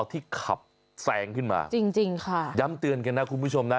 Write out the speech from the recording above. ที่ขับแซงขึ้นมาจริงจริงค่ะย้ำเตือนกันนะคุณผู้ชมนะ